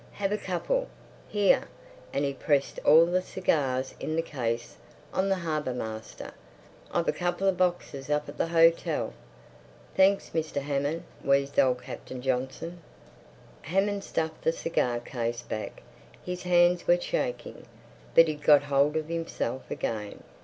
Have a couple! Here"—and he pressed all the cigars in the case on the harbour master—"I've a couple of boxes up at the hotel." "Thenks, Mr. Hammond!" wheezed old Captain Johnson. Hammond stuffed the cigar case back. His hands were shaking, but he'd got hold of himself again.